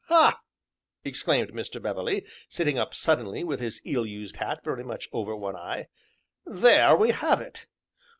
"Ha!" exclaimed Mr. Beverley, sitting up suddenly, with his ill used hat very much over one eye, "there we have it!